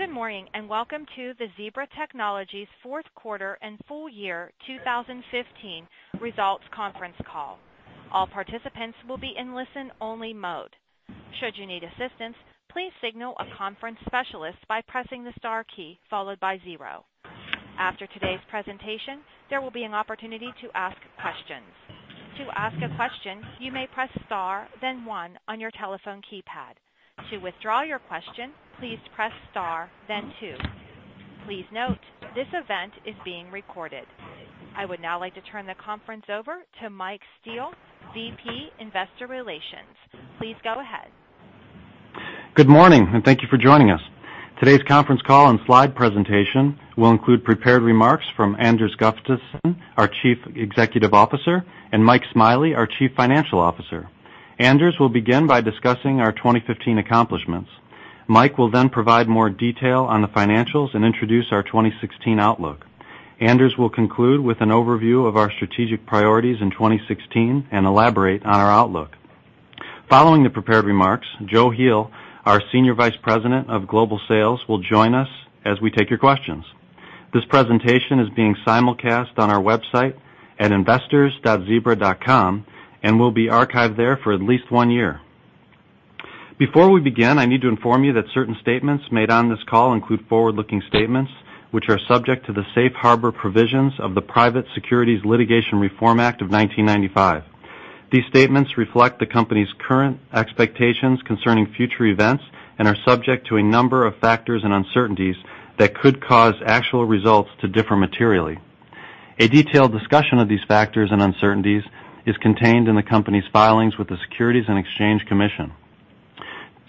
Good morning, and welcome to the Zebra Technologies fourth quarter and full year 2015 results conference call. All participants will be in listen-only mode. Should you need assistance, please signal a conference specialist by pressing the star key followed by zero. After today's presentation, there will be an opportunity to ask questions. To ask a question, you may press star then one on your telephone keypad. To withdraw your question, please press star then two. Please note, this event is being recorded. I would now like to turn the conference over to Michael Steele, VP Investor Relations. Please go ahead. Good morning, thank you for joining us. Today's conference call and slide presentation will include prepared remarks from Anders Gustafsson, our Chief Executive Officer, and Mike Smiley, our Chief Financial Officer. Anders will begin by discussing our 2015 accomplishments. Mike will then provide more detail on the financials and introduce our 2016 outlook. Anders will conclude with an overview of our strategic priorities in 2016 and elaborate on our outlook. Following the prepared remarks, Joachim Heel, our Senior Vice President of Global Sales, will join us as we take your questions. This presentation is being simulcast on our website at investors.zebra.com and will be archived there for at least one year. Before we begin, I need to inform you that certain statements made on this call include forward-looking statements, which are subject to the safe harbor provisions of the Private Securities Litigation Reform Act of 1995. These statements reflect the company's current expectations concerning future events and are subject to a number of factors and uncertainties that could cause actual results to differ materially. A detailed discussion of these factors and uncertainties is contained in the company's filings with the Securities and Exchange Commission.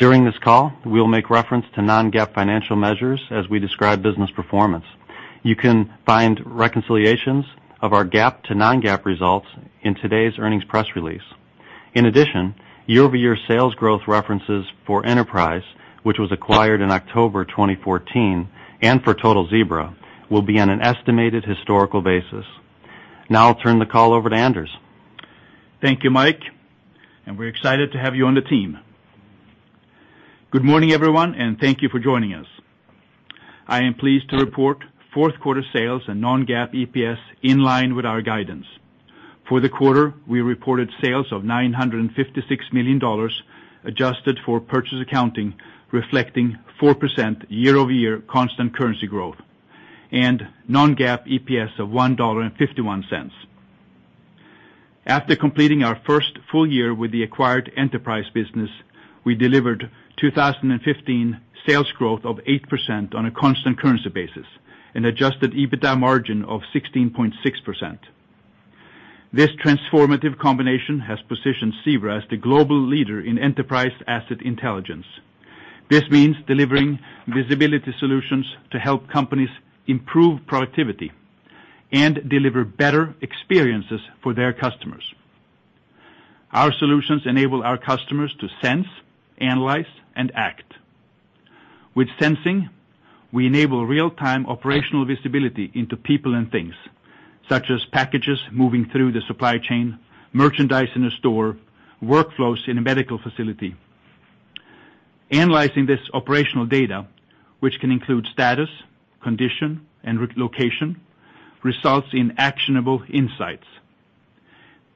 During this call, we will make reference to non-GAAP financial measures as we describe business performance. You can find reconciliations of our GAAP to non-GAAP results in today's earnings press release. In addition, year-over-year sales growth references for Enterprise, which was acquired in October 2014, and for total Zebra, will be on an estimated historical basis. Now I'll turn the call over to Anders. Thank you, Mike, we're excited to have you on the team. Good morning, everyone, thank you for joining us. I am pleased to report fourth quarter sales and non-GAAP EPS in line with our guidance. For the quarter, we reported sales of $956 million adjusted for purchase accounting, reflecting 4% year-over-year constant currency growth and non-GAAP EPS of $1.51. After completing our first full year with the acquired Enterprise business, we delivered 2015 sales growth of 8% on a constant currency basis, an adjusted EBITDA margin of 16.6%. This transformative combination has positioned Zebra as the global leader in enterprise asset intelligence. This means delivering visibility solutions to help companies improve productivity and deliver better experiences for their customers. Our solutions enable our customers to sense, analyze, and act. With sensing, we enable real-time operational visibility into people and things, such as packages moving through the supply chain, merchandise in a store, workflows in a medical facility. Analyzing this operational data, which can include status, condition, and location, results in actionable insights.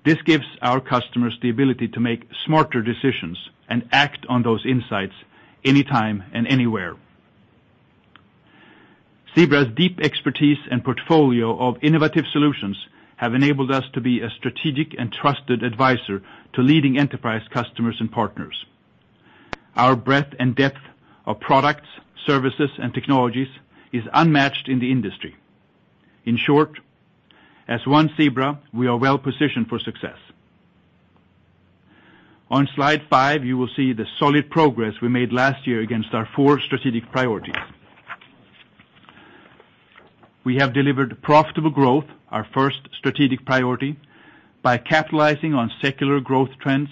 This gives our customers the ability to make smarter decisions and act on those insights anytime and anywhere. Zebra's deep expertise and portfolio of innovative solutions have enabled us to be a strategic and trusted advisor to leading Enterprise customers and partners. Our breadth and depth of products, services, and technologies is unmatched in the industry. In short, as One Zebra, we are well positioned for success. On slide five, you will see the solid progress we made last year against our four strategic priorities. We have delivered profitable growth, our first strategic priority, by capitalizing on secular growth trends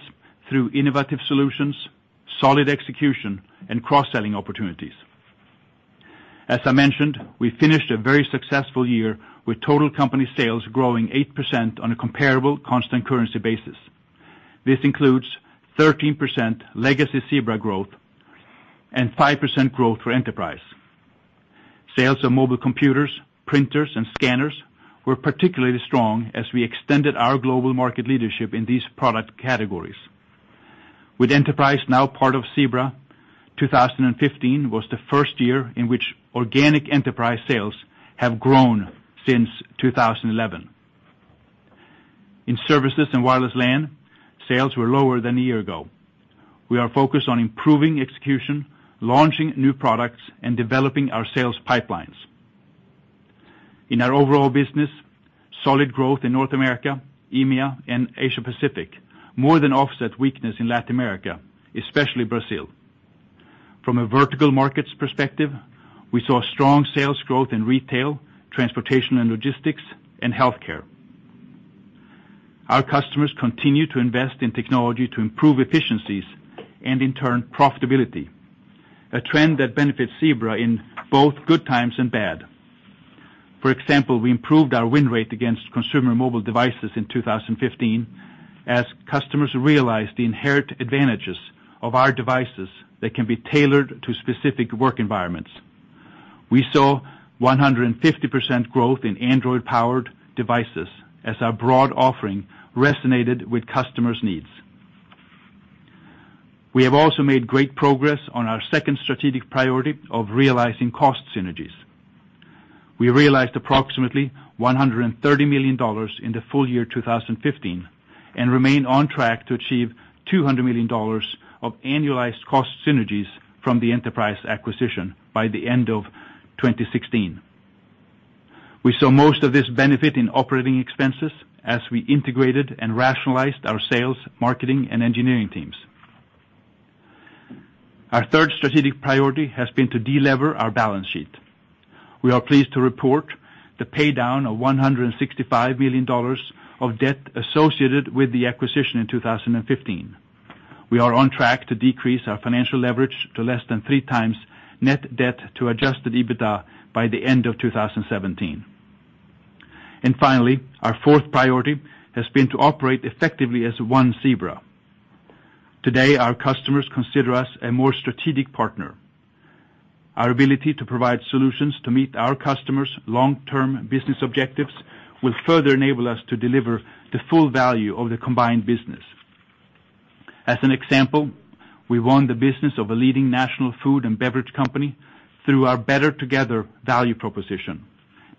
through innovative solutions, solid execution, and cross-selling opportunities. As I mentioned, we finished a very successful year with total company sales growing 8% on a comparable constant currency basis. This includes 13% legacy Zebra growth and 5% growth for Enterprise. Sales of mobile computers, printers, and scanners were particularly strong as we extended our global market leadership in these product categories. With Enterprise now part of Zebra, 2015 was the first year in which organic Enterprise sales have grown since 2011. In services and wireless LAN, sales were lower than a year ago. We are focused on improving execution, launching new products, and developing our sales pipelines. In our overall business, solid growth in North America, EMEA, and Asia Pacific more than offset weakness in Latin America, especially Brazil. From a vertical markets perspective, we saw strong sales growth in retail, transportation and logistics, and healthcare. Our customers continue to invest in technology to improve efficiencies and, in turn, profitability, a trend that benefits Zebra in both good times and bad. For example, we improved our win rate against consumer mobile devices in 2015, as customers realized the inherent advantages of our devices that can be tailored to specific work environments. We saw 150% growth in Android-powered devices as our broad offering resonated with customers' needs. We have also made great progress on our second strategic priority of realizing cost synergies. We realized approximately $130 million in the full year 2015, and remain on track to achieve $200 million of annualized cost synergies from the Enterprise acquisition by the end of 2016. We saw most of this benefit in operating expenses as we integrated and rationalized our sales, marketing, and engineering teams. Our third strategic priority has been to de-lever our balance sheet. We are pleased to report the paydown of $165 million of debt associated with the acquisition in 2015. We are on track to decrease our financial leverage to less than three times net debt to adjusted EBITDA by the end of 2017. And finally, our fourth priority has been to operate effectively as One Zebra. Today, our customers consider us a more strategic partner. Our ability to provide solutions to meet our customers' long-term business objectives will further enable us to deliver the full value of the combined business. As an example, we won the business of a leading national food and beverage company through our Better Together value proposition,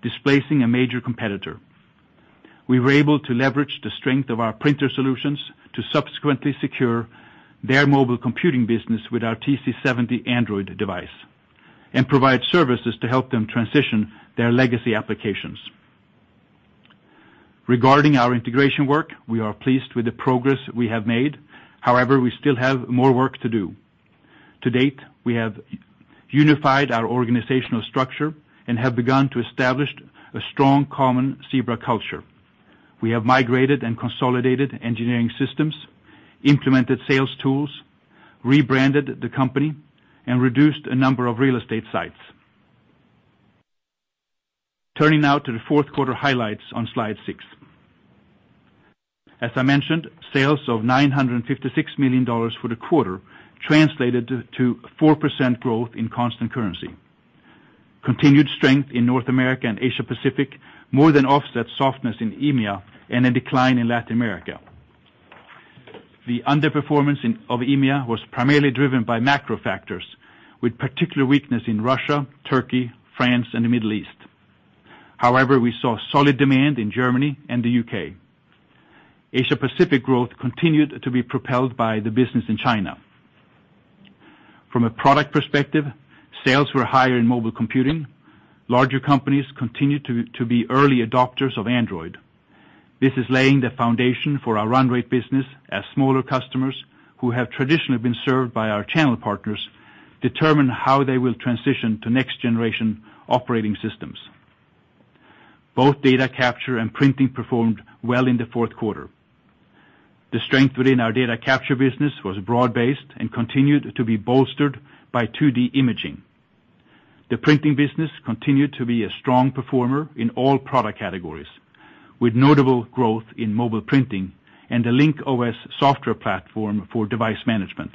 displacing a major competitor. We were able to leverage the strength of our printer solutions to subsequently secure their mobile computing business with our TC70 Android device, and provide services to help them transition their legacy applications. Regarding our integration work, we are pleased with the progress we have made. However, we still have more work to do. To date, we have unified our organizational structure and have begun to establish a strong, common Zebra culture. We have migrated and consolidated engineering systems, implemented sales tools, rebranded the company, and reduced a number of real estate sites. Turning now to the fourth quarter highlights on slide six. As I mentioned, sales of $956 million for the quarter translated to 4% growth in constant currency. Continued strength in North America and Asia Pacific more than offset softness in EMEA and a decline in Latin America. The underperformance of EMEA was primarily driven by macro factors, with particular weakness in Russia, Turkey, France, and the Middle East. However, we saw solid demand in Germany and the U.K. Asia Pacific growth continued to be propelled by the business in China. From a product perspective, sales were higher in mobile computing. Larger companies continued to be early adopters of Android. This is laying the foundation for our run rate business, as smaller customers, who have traditionally been served by our channel partners, determine how they will transition to next generation operating systems. Both data capture and printing performed well in the fourth quarter. The strength within our data capture business was broad-based and continued to be bolstered by 2D imaging. The printing business continued to be a strong performer in all product categories, with notable growth in mobile printing and the Link-OS software platform for device management.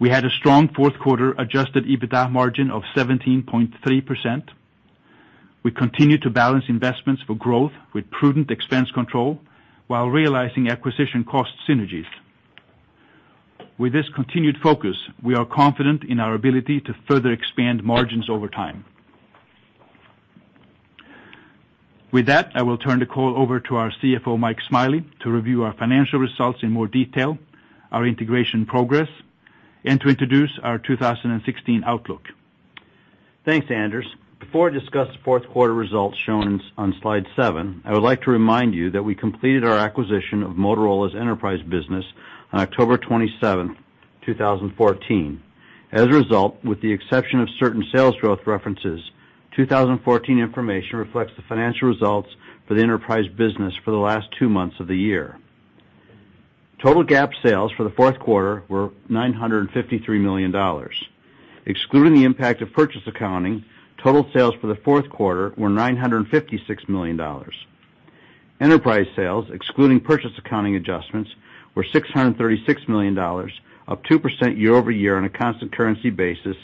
We had a strong fourth quarter adjusted EBITDA margin of 17.3%. We continue to balance investments for growth with prudent expense control while realizing acquisition cost synergies. With this continued focus, we are confident in our ability to further expand margins over time. With that, I will turn the call over to our CFO, Mike Smiley, to review our financial results in more detail, our integration progress, and to introduce our 2016 outlook. Thanks, Anders. Before I discuss the fourth quarter results shown on slide seven, I would like to remind you that we completed our acquisition of Motorola's Enterprise business on October 27th, 2014. As a result, with the exception of certain sales growth references, 2014 information reflects the financial results for the Enterprise business for the last two months of the year. Total GAAP sales for the fourth quarter were $953 million. Excluding the impact of purchase accounting, total sales for the fourth quarter were $956 million. Enterprise sales, excluding purchase accounting adjustments, were $636 million, up 2% year-over-year on a constant currency basis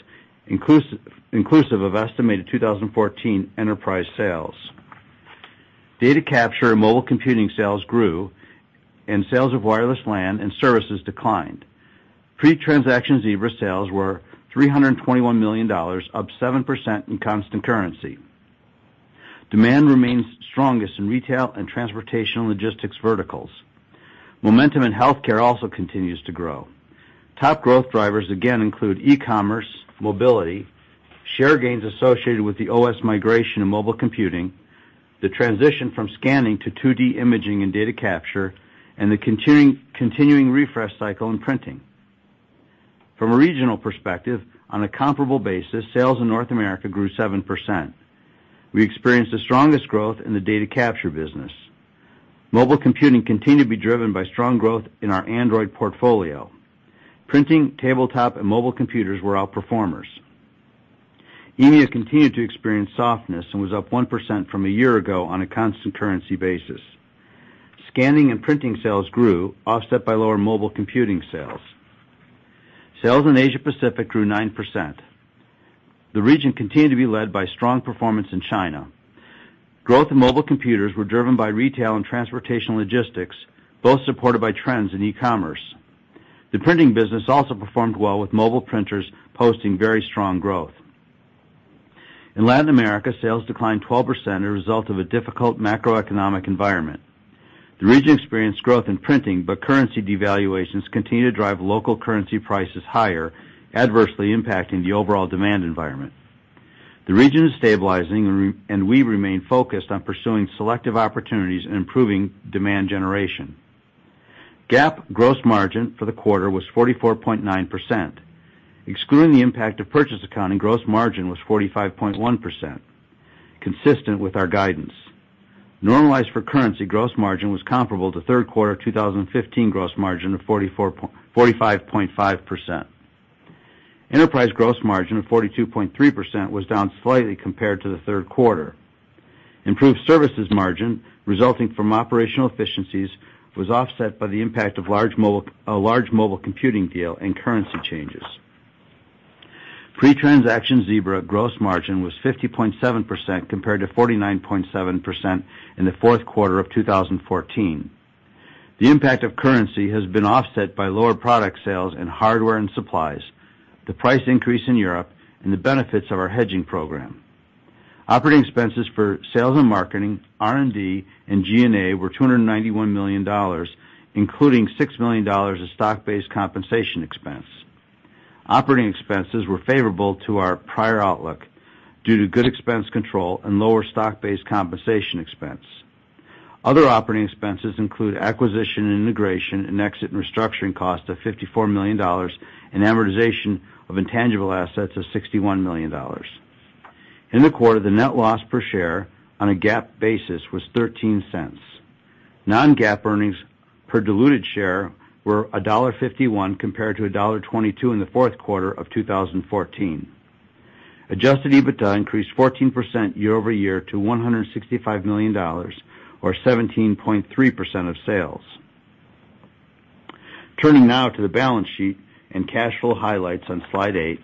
inclusive of estimated 2014 Enterprise sales. Data capture and mobile computing sales grew, and sales of wireless LAN and services declined. Pre-transaction Zebra sales were $321 million, up 7% in constant currency. Demand remains strongest in retail and transportation logistics verticals. Momentum in healthcare also continues to grow. Top growth drivers, again, include e-commerce, mobility, share gains associated with the OS migration in mobile computing, the transition from scanning to 2D imaging in data capture, and the continuing refresh cycle in printing. From a regional perspective, on a comparable basis, sales in North America grew 7%. We experienced the strongest growth in the data capture business. Mobile computing continued to be driven by strong growth in our Android portfolio. Printing, tabletop, and mobile computers were our performers. EMEA continued to experience softness and was up 1% from a year ago on a constant currency basis. Scanning and printing sales grew, offset by lower mobile computing sales. Sales in Asia Pacific grew 9%. The region continued to be led by strong performance in China. Growth in mobile computers were driven by retail and transportation logistics, both supported by trends in e-commerce. The printing business also performed well, with mobile printers posting very strong growth. In Latin America, sales declined 12%, a result of a difficult macroeconomic environment. The region experienced growth in printing, but currency devaluations continue to drive local currency prices higher, adversely impacting the overall demand environment. The region is stabilizing, and we remain focused on pursuing selective opportunities and improving demand generation. GAAP gross margin for the quarter was 44.9%. Excluding the impact of purchase accounting, gross margin was 45.1%, consistent with our guidance. Normalized for currency, gross margin was comparable to third quarter 2015 gross margin of 45.5%. Enterprise gross margin of 42.3% was down slightly compared to the third quarter. Improved services margin resulting from operational efficiencies was offset by the impact of a large mobile computing deal and currency changes. Pre-transaction Zebra gross margin was 50.7%, compared to 49.7% in the fourth quarter of 2014. The impact of currency has been offset by lower product sales in hardware and supplies, the price increase in Europe, and the benefits of our hedging program. Operating expenses for sales and marketing, R&D, and G&A were $291 million, including $6 million of stock-based compensation expense. Operating expenses were favorable to our prior outlook due to good expense control and lower stock-based compensation expense. Other operating expenses include acquisition and integration and exit and restructuring costs of $54 million, and amortization of intangible assets of $61 million. In the quarter, the net loss per share on a GAAP basis was $0.13. Non-GAAP earnings per diluted share were $1.51, compared to $1.22 in the fourth quarter of 2014. Adjusted EBITDA increased 14% year-over-year to $165 million, or 17.3% of sales. Turning now to the balance sheet and cash flow highlights on slide eight.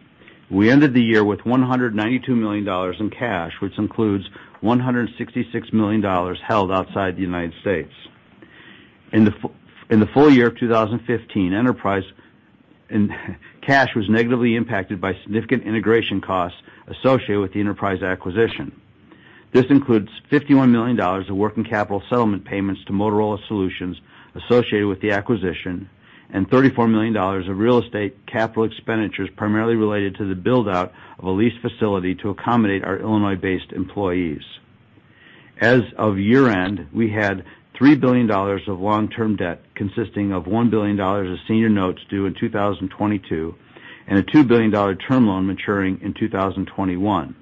We ended the year with $192 million in cash, which includes $166 million held outside the U.S. In the full year of 2015, cash was negatively impacted by significant integration costs associated with the Enterprise acquisition. This includes $51 million in working capital settlement payments to Motorola Solutions associated with the acquisition and $34 million of real estate capital expenditures, primarily related to the build-out of a leased facility to accommodate our Illinois-based employees. As of year-end, we had $3 billion of long-term debt, consisting of $1 billion of senior notes due in 2022 and a $2 billion term loan maturing in 2021.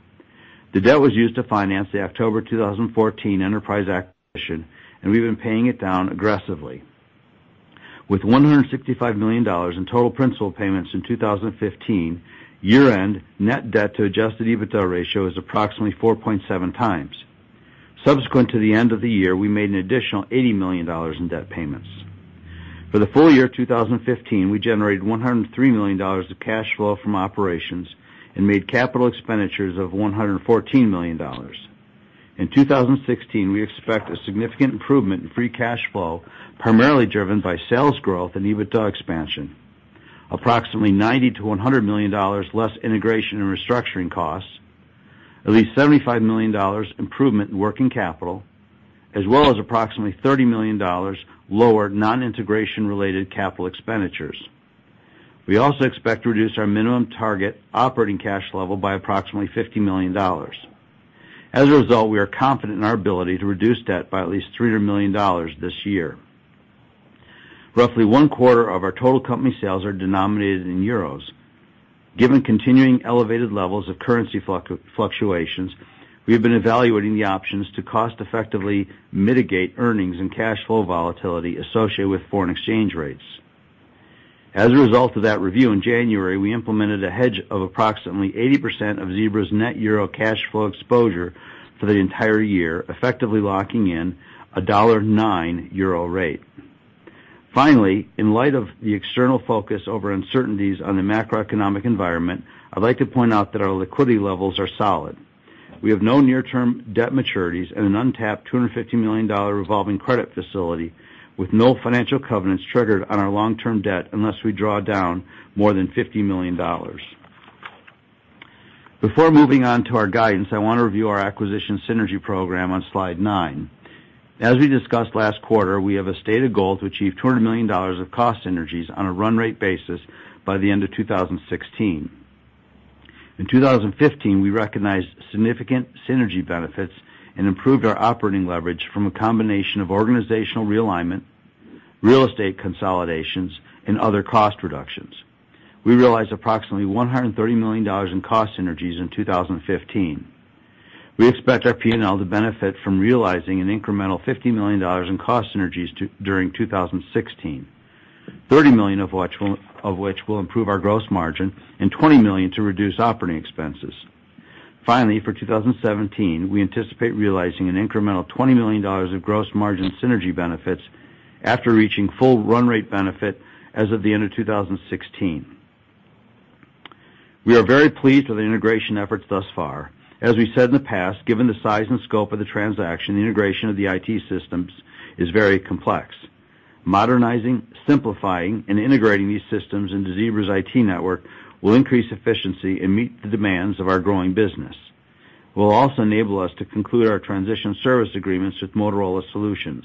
The debt was used to finance the October 2014 Enterprise acquisition, and we've been paying it down aggressively. With $165 million in total principal payments in 2015, year-end net debt to adjusted EBITDA ratio is approximately 4.7 times. Subsequent to the end of the year, we made an additional $80 million in debt payments. For the full year 2015, we generated $103 million of cash flow from operations and made capital expenditures of $114 million. In 2016, we expect a significant improvement in free cash flow, primarily driven by sales growth and EBITDA expansion, approximately $90 million-$100 million less integration and restructuring costs, at least $75 million improvement in working capital, as well as approximately $30 million lower non-integration-related capital expenditures. We also expect to reduce our minimum target operating cash level by approximately $50 million. As a result, we are confident in our ability to reduce debt by at least $300 million this year. Roughly one-quarter of our total company sales are denominated in euros. Given continuing elevated levels of currency fluctuations, we have been evaluating the options to cost effectively mitigate earnings and cash flow volatility associated with foreign exchange rates. As a result of that review in January, we implemented a hedge of approximately 80% of Zebra's net euro cash flow exposure for the entire year, effectively locking in a $1.09 euro rate. Finally, in light of the external focus over uncertainties on the macroeconomic environment, I'd like to point out that our liquidity levels are solid. We have no near-term debt maturities and an untapped $250 million revolving credit facility with no financial covenants triggered on our long-term debt unless we draw down more than $50 million. Before moving on to our guidance, I want to review our acquisition synergy program on slide nine. As we discussed last quarter, we have a stated goal to achieve $200 million of cost synergies on a run-rate basis by the end of 2016. In 2015, we recognized significant synergy benefits and improved our operating leverage from a combination of organizational realignment, real estate consolidations, and other cost reductions. We realized approximately $130 million in cost synergies in 2015. We expect our P&L to benefit from realizing an incremental $50 million in cost synergies during 2016. $30 million of which will improve our gross margin and $20 million to reduce operating expenses. Finally, for 2017, we anticipate realizing an incremental $20 million of gross margin synergy benefits after reaching full run rate benefit as of the end of 2016. We are very pleased with the integration efforts thus far. As we said in the past, given the size and scope of the transaction, the integration of the IT systems is very complex. Modernizing, simplifying, and integrating these systems into Zebra's IT network will increase efficiency and meet the demands of our growing business. Will also enable us to conclude our transition service agreements with Motorola Solutions.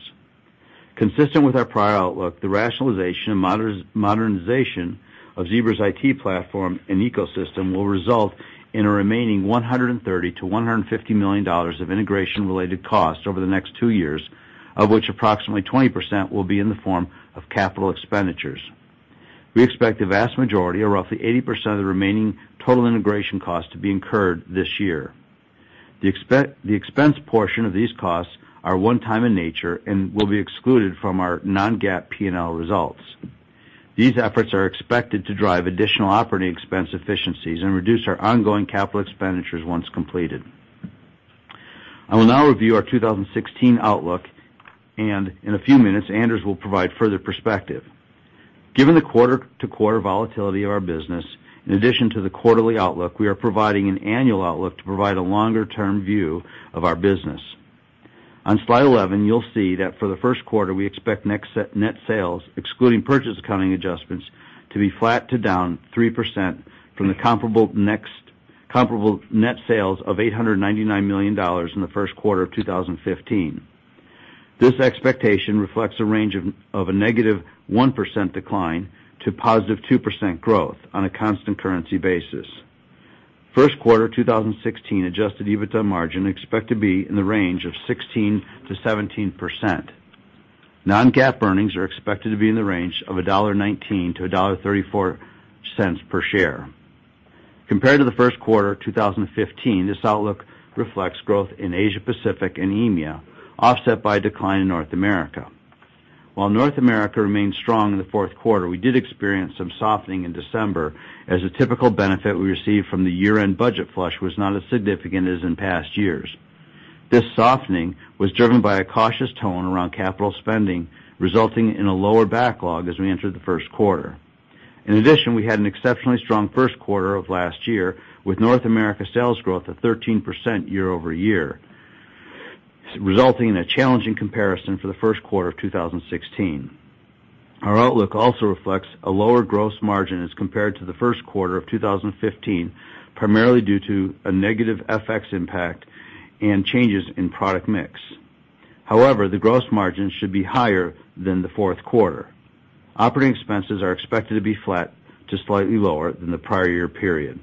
Consistent with our prior outlook, the rationalization and modernization of Zebra's IT platform and ecosystem will result in a remaining $130 million-$150 million of integration related costs over the next two years, of which approximately 20% will be in the form of capital expenditures. We expect the vast majority or roughly 80% of the remaining total integration costs to be incurred this year. The expense portion of these costs are one-time in nature and will be excluded from our non-GAAP P&L results. These efforts are expected to drive additional operating expense efficiencies and reduce our ongoing capital expenditures once completed. I will now review our 2016 outlook, and in a few minutes, Anders will provide further perspective. Given the quarter-to-quarter volatility of our business, in addition to the quarterly outlook, we are providing an annual outlook to provide a longer-term view of our business. On slide 11, you'll see that for the first quarter, we expect net sales, excluding purchase accounting adjustments, to be flat to down 3% from the comparable net sales of $899 million in the first quarter of 2015. This expectation reflects a range of a negative 1% decline to positive 2% growth on a constant currency basis. First quarter 2016 adjusted EBITDA margin expect to be in the range of 16%-17%. non-GAAP earnings are expected to be in the range of $1.19-$1.34 per share. Compared to the first quarter 2015, this outlook reflects growth in Asia Pacific and EMEA, offset by a decline in North America. While North America remained strong in the fourth quarter, we did experience some softening in December as the typical benefit we received from the year-end budget flush was not as significant as in past years. This softening was driven by a cautious tone around capital spending, resulting in a lower backlog as we entered the first quarter. In addition, we had an exceptionally strong first quarter of last year, with North America sales growth of 13% year-over-year, resulting in a challenging comparison for the first quarter of 2016. Our outlook also reflects a lower gross margin as compared to the first quarter of 2015, primarily due to a negative FX impact and changes in product mix. However, the gross margin should be higher than the fourth quarter. Operating expenses are expected to be flat to slightly lower than the prior year period.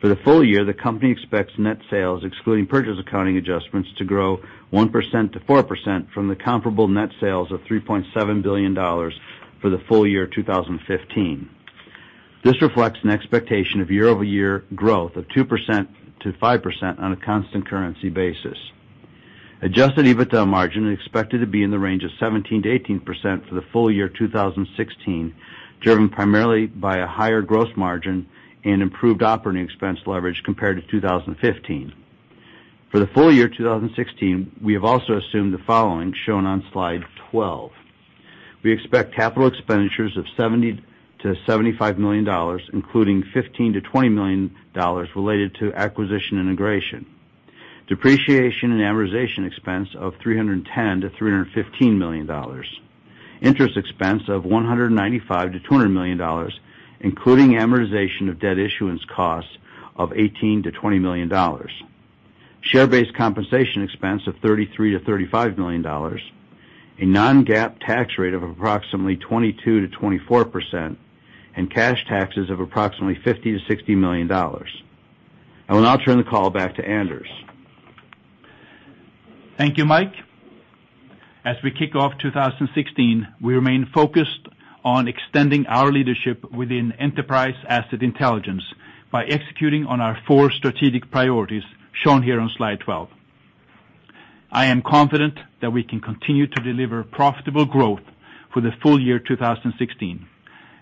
For the full year, the company expects net sales, excluding purchase accounting adjustments, to grow 1%-4% from the comparable net sales of $3.7 billion for the full year 2015. This reflects an expectation of year-over-year growth of 2%-5% on a constant currency basis. Adjusted EBITDA margin is expected to be in the range of 17%-18% for the full year 2016, driven primarily by a higher gross margin and improved operating expense leverage compared to 2015. For the full year 2016, we have also assumed the following shown on slide 12. We expect capital expenditures of $70 million-$75 million, including $15 million-$20 million related to acquisition integration. Depreciation and amortization expense of $310 million-$315 million. Interest expense of $195 million-$200 million, including amortization of debt issuance costs of $18 million-$20 million. Share-based compensation expense of $33 million-$35 million. A non-GAAP tax rate of approximately 22%-24%, and cash taxes of approximately $50 million-$60 million. I will now turn the call back to Anders. Thank you, Mike. As we kick off 2016, we remain focused on extending our leadership within enterprise asset intelligence by executing on our four strategic priorities shown here on slide 12. I am confident that we can continue to deliver profitable growth for the full year 2016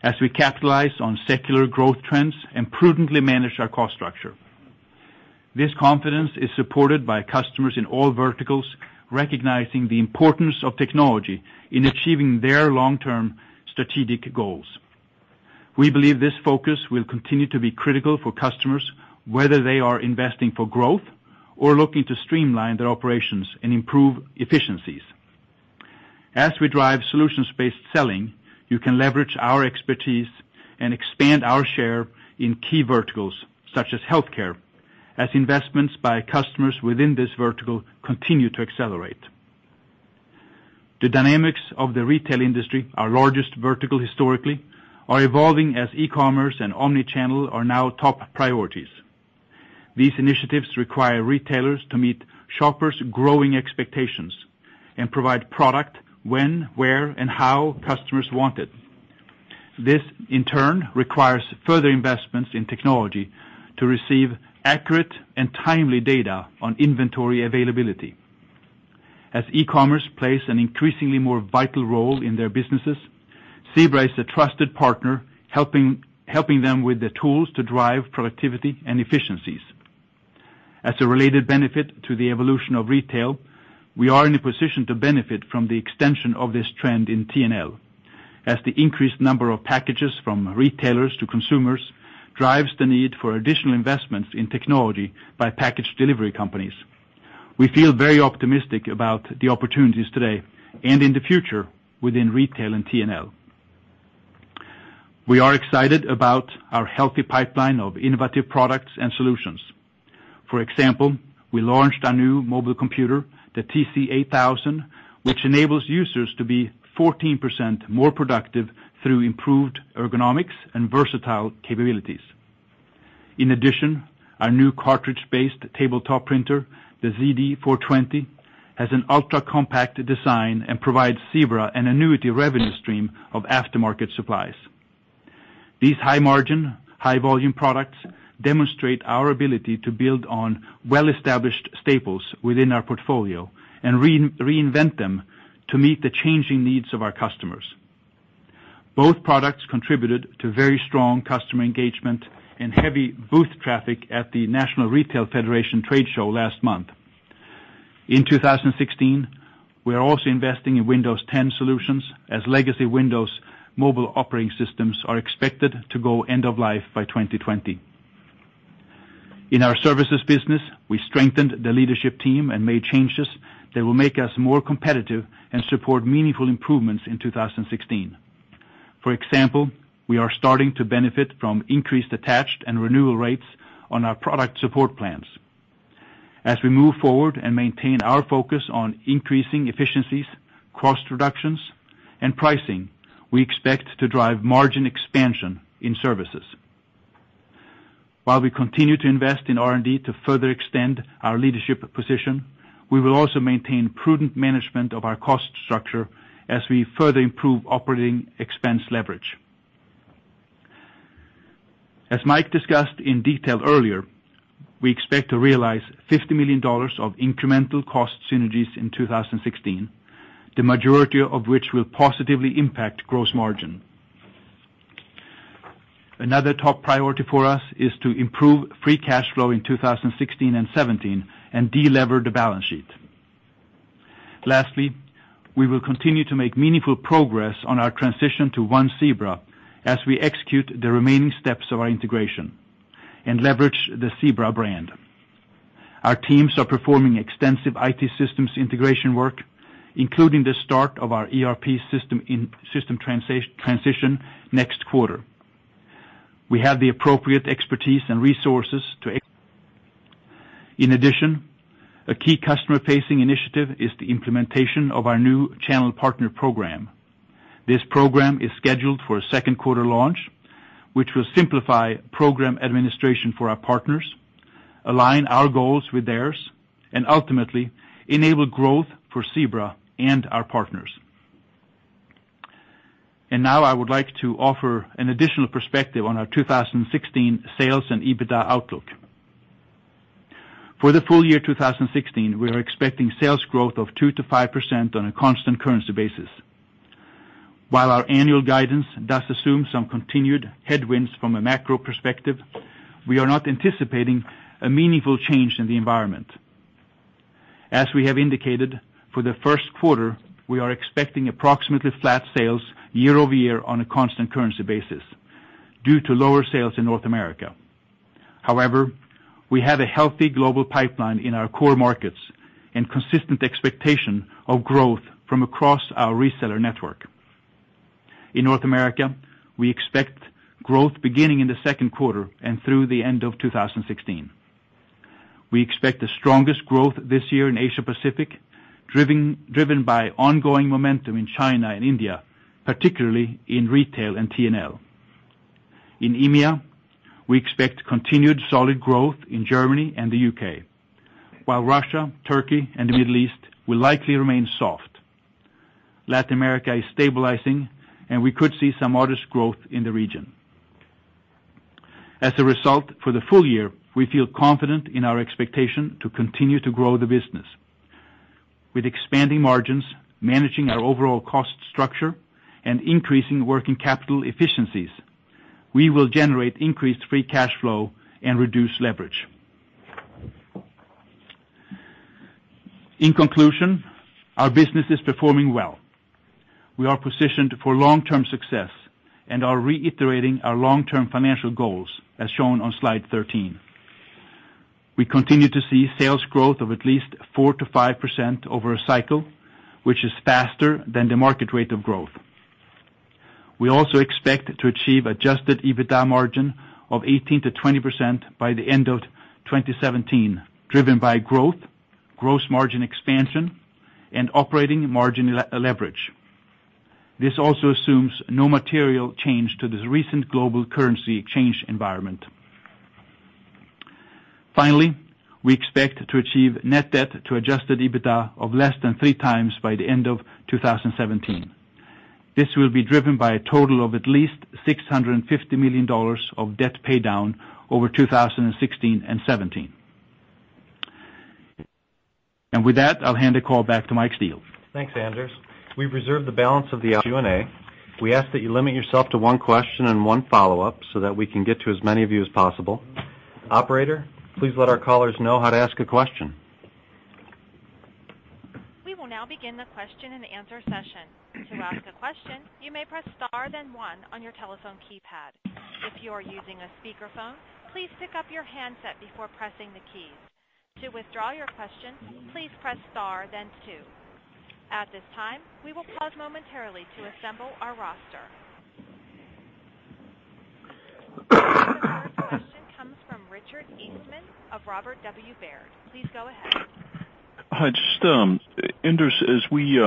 as we capitalize on secular growth trends and prudently manage our cost structure. This confidence is supported by customers in all verticals recognizing the importance of technology in achieving their long-term strategic goals. We believe this focus will continue to be critical for customers, whether they are investing for growth or looking to streamline their operations and improve efficiencies. As we drive solutions-based selling, you can leverage our expertise and expand our share in key verticals such as healthcare, as investments by customers within this vertical continue to accelerate. The dynamics of the retail industry, our largest vertical historically, are evolving as e-commerce and omni-channel are now top priorities. These initiatives require retailers to meet shoppers' growing expectations and provide product when, where, and how customers want it. This, in turn, requires further investments in technology to receive accurate and timely data on inventory availability. As e-commerce plays an increasingly more vital role in their businesses, Zebra is a trusted partner, helping them with the tools to drive productivity and efficiencies. As a related benefit to the evolution of retail, we are in a position to benefit from the extension of this trend in TNL, as the increased number of packages from retailers to consumers drives the need for additional investments in technology by package delivery companies. We feel very optimistic about the opportunities today, and in the future, within retail and TNL. We are excited about our healthy pipeline of innovative products and solutions. For example, we launched our new mobile computer, the TC8000, which enables users to be 14% more productive through improved ergonomics and versatile capabilities. In addition, our new cartridge-based tabletop printer, the ZD420, has an ultra-compact design and provides Zebra an annuity revenue stream of aftermarket supplies. These high-margin, high-volume products demonstrate our ability to build on well-established staples within our portfolio and reinvent them to meet the changing needs of our customers. Both products contributed to very strong customer engagement and heavy booth traffic at the National Retail Federation Trade Show last month. In 2016, we are also investing in Windows 10 solutions, as legacy Windows mobile operating systems are expected to go end of life by 2020. In our services business, we strengthened the leadership team and made changes that will make us more competitive and support meaningful improvements in 2016. For example, we are starting to benefit from increased attached and renewal rates on our product support plans. While we continue to invest in R&D to further extend our leadership position, we will also maintain prudent management of our cost structure as we further improve operating expense leverage. As Mike discussed in detail earlier, we expect to realize $50 million of incremental cost synergies in 2016, the majority of which will positively impact gross margin. Another top priority for us is to improve free cash flow in 2016 and 2017 and de-lever the balance sheet. Lastly, we will continue to make meaningful progress on our transition to One Zebra as we execute the remaining steps of our integration and leverage the Zebra brand. Our teams are performing extensive IT systems integration work, including the start of our ERP system transition next quarter. We have the appropriate expertise and resources. In addition, a key customer-facing initiative is the implementation of our new channel partner program. This program is scheduled for a second quarter launch, which will simplify program administration for our partners, align our goals with theirs, and ultimately enable growth for Zebra and our partners. Now I would like to offer an additional perspective on our 2016 sales and EBITDA outlook. For the full year 2016, we are expecting sales growth of 2%-5% on a constant currency basis. While our annual guidance does assume some continued headwinds from a macro perspective, we are not anticipating a meaningful change in the environment. As we have indicated, for the first quarter, we are expecting approximately flat sales year-over-year on a constant currency basis due to lower sales in North America. However, we have a healthy global pipeline in our core markets and consistent expectation of growth from across our reseller network. In North America, we expect growth beginning in the second quarter and through the end of 2016. We expect the strongest growth this year in Asia Pacific, driven by ongoing momentum in China and India, particularly in retail and TNL. In EMEA, we expect continued solid growth in Germany and the U.K., while Russia, Turkey, and the Middle East will likely remain soft. Latin America is stabilizing, and we could see some modest growth in the region. As a result, for the full year, we feel confident in our expectation to continue to grow the business. With expanding margins, managing our overall cost structure, and increasing working capital efficiencies, we will generate increased free cash flow and reduce leverage. In conclusion, our business is performing well. We are positioned for long-term success and are reiterating our long-term financial goals, as shown on slide 13. We continue to see sales growth of at least 4%-5% over a cycle, which is faster than the market rate of growth. We also expect to achieve adjusted EBITDA margin of 18%-20% by the end of 2017, driven by growth, gross margin expansion, and operating margin leverage. This also assumes no material change to this recent global currency exchange environment. Finally, we expect to achieve net debt to adjusted EBITDA of less than three times by the end of 2017. This will be driven by a total of at least $650 million of debt paydown over 2016 and 2017. With that, I'll hand the call back to Michael Steele. Thanks, Anders. We've reserved the balance of the Q&A. We ask that you limit yourself to one question and one follow-up so that we can get to as many of you as possible. Operator, please let our callers know how to ask a question. We will now begin the question and answer session. To ask a question, you may press star then one on your telephone keypad. If you are using a speakerphone, please pick up your handset before pressing the keys. To withdraw your question, please press star then two. At this time, we will pause momentarily to assemble our roster. The first question comes from Richard Eastman of Robert W. Baird. Please go ahead. Hi, just, Anders, as we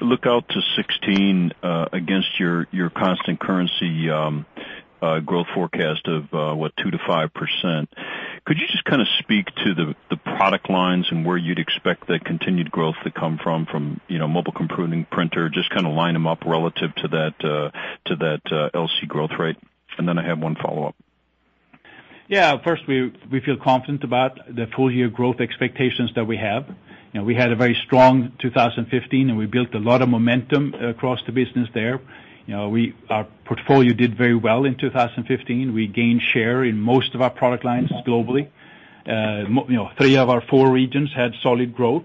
look out to 2016, against your constant currency growth forecast of what, 2%-5%, could you just kind of speak to the product lines and where you'd expect that continued growth to come from mobile computing printer, just kind of line them up relative to that LC growth rate? Then I have one follow-up. Yeah. First, we feel confident about the full-year growth expectations that we have. We had a very strong 2015, and we built a lot of momentum across the business there. Our portfolio did very well in 2015. We gained share in most of our product lines globally. Three of our four regions had solid growth.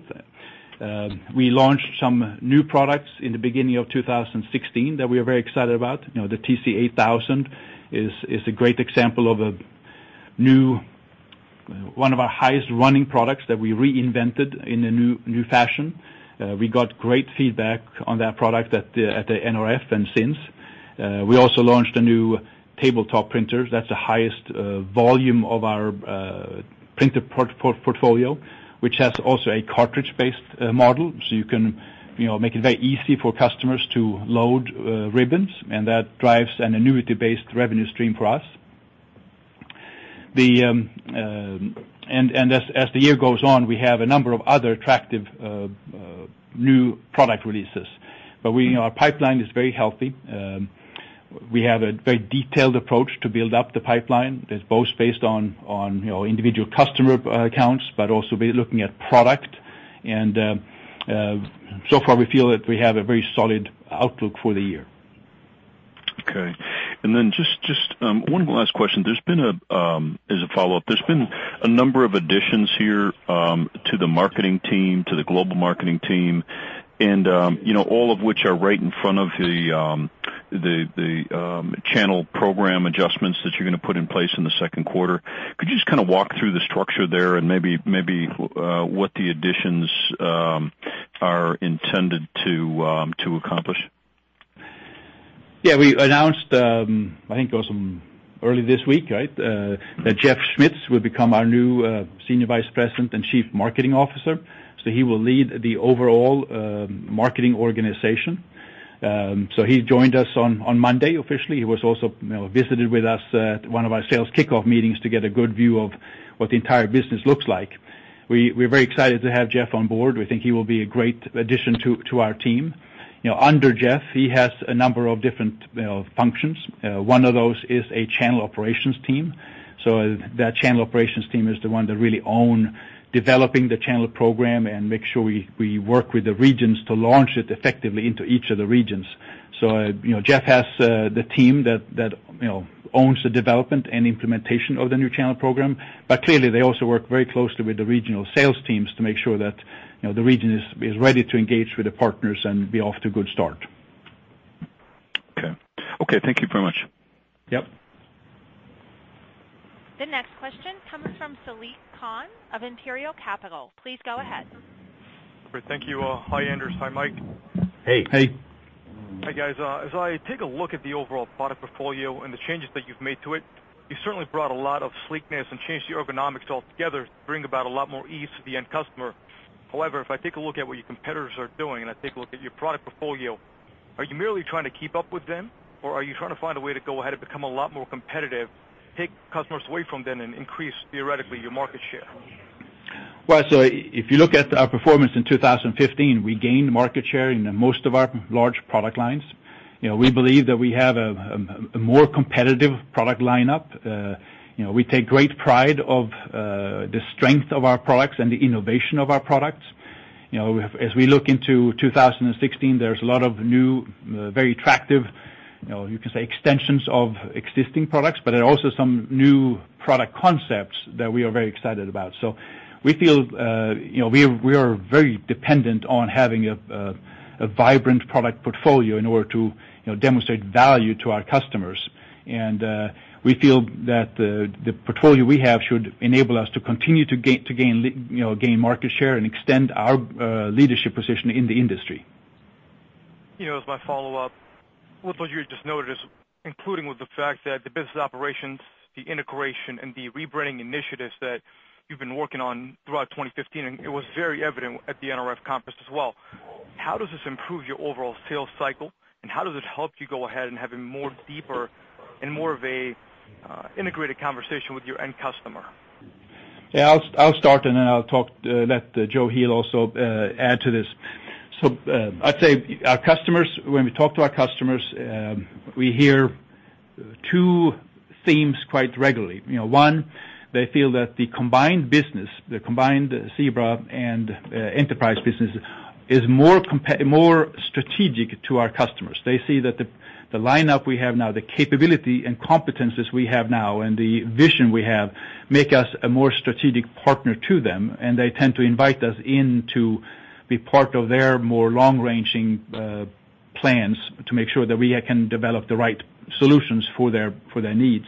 We launched some new products in the beginning of 2016 that we are very excited about. The TC8000 is a great example of one of our highest-running products that we reinvented in a new fashion. We got great feedback on that product at the NRF and since. We also launched a new tabletop printer that's the highest volume of our printer portfolio, which has also a cartridge-based model, so you can make it very easy for customers to load ribbons, and that drives an annuity-based revenue stream for us. As the year goes on, we have a number of other attractive new product releases. Our pipeline is very healthy. We have a very detailed approach to build up the pipeline that's both based on individual customer accounts, but also be looking at product. So far, we feel that we have a very solid outlook for the year. Okay. Just one last question as a follow-up. There's been a number of additions here to the marketing team, to the global marketing team, all of which are right in front of the channel program adjustments that you're going to put in place in the second quarter. Could you just kind of walk through the structure there and maybe what the additions are intended to accomplish? Yeah. We announced, I think it was early this week, right? That Jeff Schmitz will become our new Senior Vice President and Chief Marketing Officer. He will lead the overall marketing organization. He joined us on Monday officially. He also visited with us at one of our sales kickoff meetings to get a good view of what the entire business looks like. We're very excited to have Jeff on board. We think he will be a great addition to our team. Under Jeff, he has a number of different functions. One of those is a channel operations team. That channel operations team is the one that really own developing the channel program and make sure we work with the regions to launch it effectively into each of the regions. Jeff has the team that owns the development and implementation of the new channel program. Clearly, they also work very closely with the regional sales teams to make sure that the region is ready to engage with the partners and be off to a good start. Okay. Thank you very much. Yep. The next question comes from Saliq Khan of Imperial Capital. Please go ahead. Great. Thank you. Hi, Anders. Hi, Mike. Hey. Hey. Hi, guys. As I take a look at the overall product portfolio and the changes that you've made to it, you certainly brought a lot of sleekness and changed the ergonomics altogether to bring about a lot more ease to the end customer. However, if I take a look at what your competitors are doing, and I take a look at your product portfolio, are you merely trying to keep up with them, or are you trying to find a way to go ahead and become a lot more competitive, take customers away from them, and increase, theoretically, your market share? If you look at our performance in 2015, we gained market share in most of our large product lines. We believe that we have a more competitive product lineup. We take great pride of the strength of our products and the innovation of our products. As we look into 2016, there's a lot of new, very attractive, you can say, extensions of existing products, but there are also some new product concepts that we are very excited about. We feel we are very dependent on having a vibrant product portfolio in order to demonstrate value to our customers. We feel that the portfolio we have should enable us to continue to gain market share and extend our leadership position in the industry. As my follow-up, what you just noted is including with the fact that the business operations, the integration, and the rebranding initiatives that you've been working on throughout 2015, and it was very evident at the NRF conference as well. How does this improve your overall sales cycle, and how does it help you go ahead and have a more deeper and more of a integrated conversation with your end customer? Yeah, I'll start, and then I'll let Joe Heel also add to this. I'd say our customers, when we talk to our customers, we hear two themes quite regularly. One, they feel that the combined business, the combined Zebra and Enterprise business, is more strategic to our customers. They see that the lineup we have now, the capability and competencies we have now, and the vision we have, make us a more strategic partner to them, and they tend to invite us in to be part of their more long-ranging plans to make sure that we can develop the right solutions for their needs.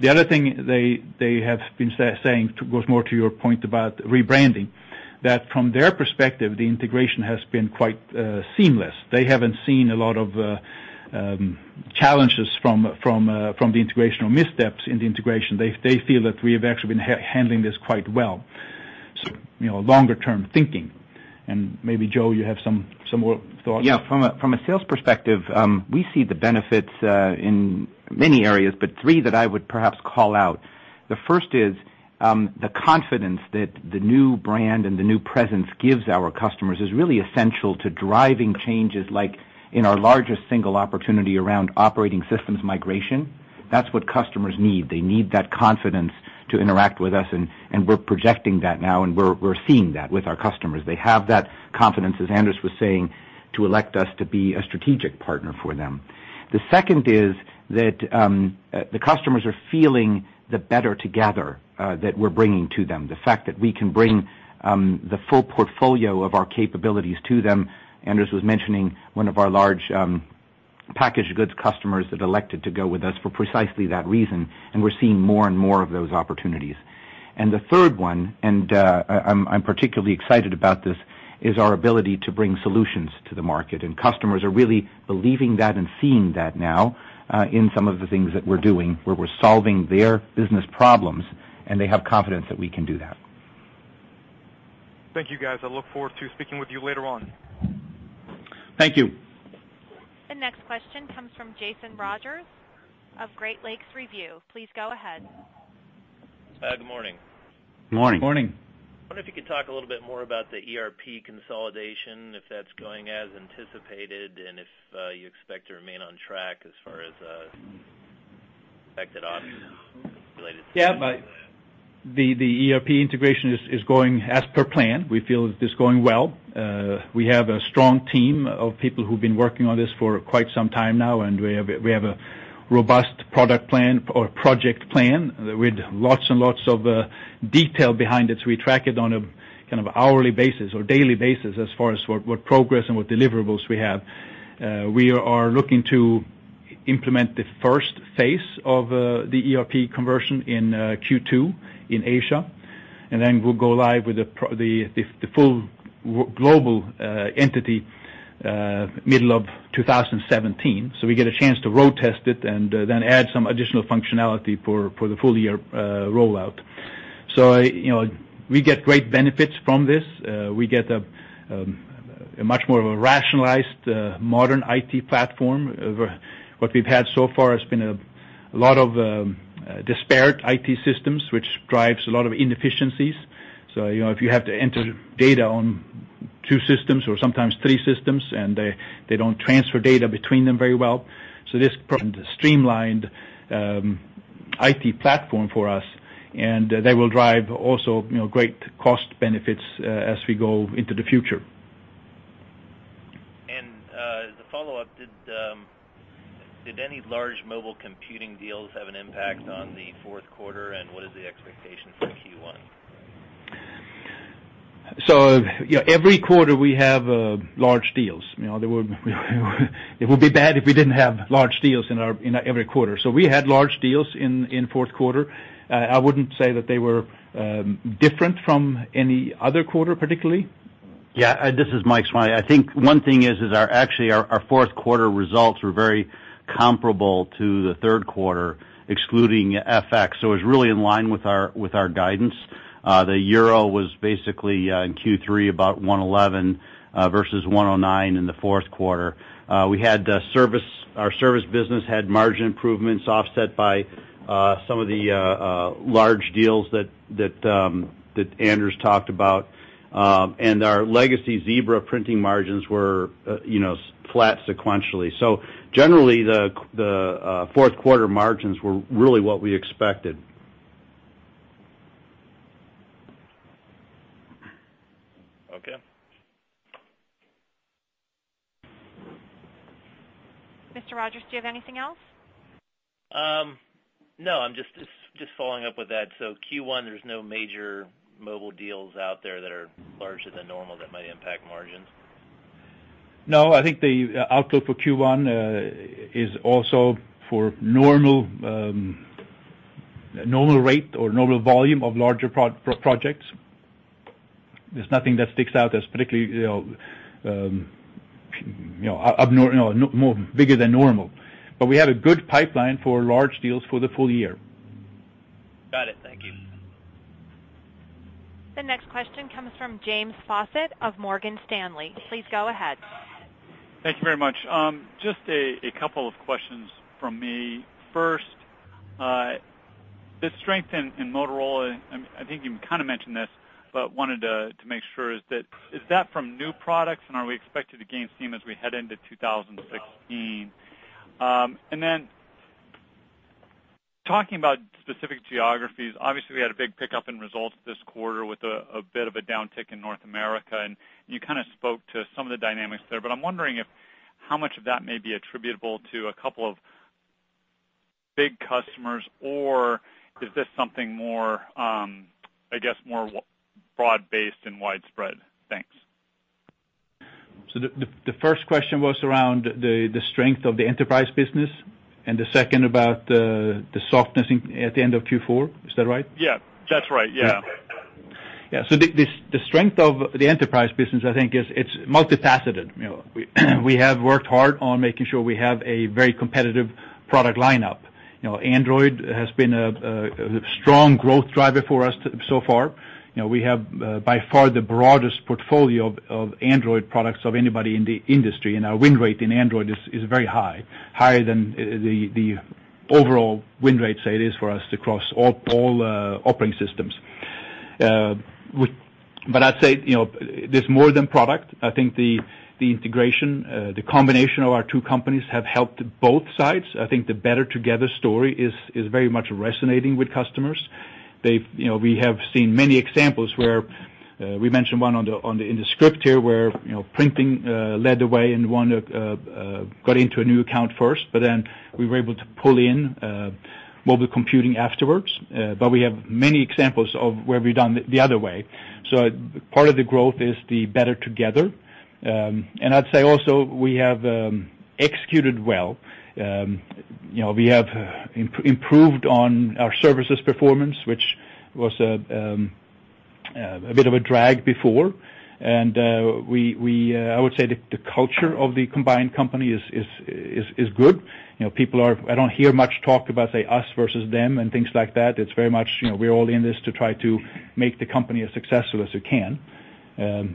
The other thing they have been saying, goes more to your point about rebranding, that from their perspective, the integration has been quite seamless. They haven't seen a lot of challenges from the integrational missteps in the integration. They feel that we have actually been handling this quite well. Longer-term thinking. Maybe, Joe, you have some more thoughts. Yeah. From a sales perspective, we see the benefits in many areas, but three that I would perhaps call out. The first is the confidence that the new brand and the new presence gives our customers is really essential to driving changes, like in our largest single opportunity around operating systems migration. That's what customers need. They need that confidence to interact with us, and we're projecting that now, and we're seeing that with our customers. They have that confidence, as Anders was saying, to elect us to be a strategic partner for them. The second is that the customers are feeling the better together that we're bringing to them. The fact that we can bring the full portfolio of our capabilities to them. Anders was mentioning one of our large packaged goods customers that elected to go with us for precisely that reason, and we're seeing more and more of those opportunities. The third one, and I'm particularly excited about this, is our ability to bring solutions to the market, and customers are really believing that and seeing that now in some of the things that we're doing, where we're solving their business problems, and they have confidence that we can do that. Thank you, guys. I look forward to speaking with you later on. Thank you. The next question comes from Jason Rogers of Great Lakes Review. Please go ahead. Good morning. Morning. Morning. Wonder if you could talk a little bit more about the ERP consolidation, if that's going as anticipated, and if you expect to remain on track as far as expected ops related to? Yeah. The ERP integration is going as per plan. We feel it is going well. We have a strong team of people who've been working on this for quite some time now, and we have a robust product plan or project plan with lots and lots of detail behind it. We track it on a kind of hourly basis or daily basis as far as what progress and what deliverables we have. We are looking to implement the first phase of the ERP conversion in Q2 in Asia, and then we'll go live with the full global entity middle of 2017. We get a chance to road test it and then add some additional functionality for the full year rollout. We get great benefits from this. We get a much more of a rationalized modern IT platform. What we've had so far has been a lot of disparate IT systems, which drives a lot of inefficiencies. If you have to enter data on two systems or sometimes three systems, and they don't transfer data between them very well. This streamlined IT platform for us, and they will drive also great cost benefits as we go into the future. As a follow-up, did any large mobile computing deals have an impact on the fourth quarter, and what is the expectation for Q1? Every quarter we have large deals. It would be bad if we didn't have large deals in our every quarter. We had large deals in fourth quarter. I wouldn't say that they were different from any other quarter, particularly. This is Mike Smiley. I think one thing is, our actually our fourth quarter results were very comparable to the third quarter, excluding FX. It was really in line with our guidance. The euro was basically in Q3 about 111 versus 109 in the fourth quarter. Our service business had margin improvements offset by some of the large deals that Anders talked about. Our legacy Zebra printing margins were flat sequentially. Generally, the fourth quarter margins were really what we expected. Okay. Mr. Rogers, do you have anything else? No, I'm just following up with that. Q1, there's no major mobile deals out there that are larger than normal that might impact margins? No, I think the outlook for Q1 is also for normal rate or normal volume of larger projects. There's nothing that sticks out that's particularly bigger than normal. We have a good pipeline for large deals for the full year. Got it. Thank you. The next question comes from James Faucette of Morgan Stanley. Please go ahead. Thank you very much. Just a couple of questions from me. First, the strength in Motorola, I think you kind of mentioned this, but wanted to make sure, is that from new products and are we expected to gain steam as we head into 2016? And then talking about specific geographies, obviously, we had a big pickup in results this quarter with a bit of a downtick in North America, and you kind of spoke to some of the dynamics there. I'm wondering how much of that may be attributable to a couple of big customers, or is this something more broad-based and widespread? Thanks. The first question was around the strength of the Enterprise business, and the second about the softness at the end of Q4. Is that right? Yeah. That's right. Yeah. Yeah. The strength of the Enterprise business, I think, it's multifaceted. We have worked hard on making sure we have a very competitive product lineup. Android has been a strong growth driver for us so far. We have, by far, the broadest portfolio of Android products of anybody in the industry. Our win rate in Android is very high, higher than the overall win rate, say, it is for us across all operating systems. I'd say, there's more than product. I think the integration, the combination of our two companies have helped both sides. I think the Better Together story is very much resonating with customers. We have seen many examples where we mentioned one in the script here, where printing led the way and one got into a new account first, we were able to pull in mobile computing afterwards. We have many examples of where we've done the other way. Part of the growth is the Better Together. I'd say also, we have executed well. We have improved on our services performance, which was a bit of a drag before. I would say the culture of the combined company is good. I don't hear much talk about, say, us versus them and things like that. It's very much, we're all in this to try to make the company as successful as we can.